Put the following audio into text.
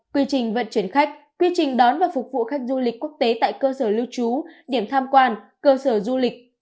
quy trình vận chuyển khách quy trình đón và phục vụ khách du lịch quốc tế tại cơ sở lưu trú điểm tham quan cơ sở du lịch